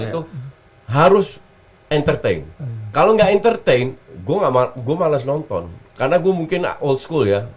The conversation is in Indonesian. itu harus entertain kalau nggak entertain gua gua males nonton karena gue mungkin old school ya